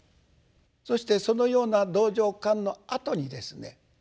そしてそのような道場観のあとにですね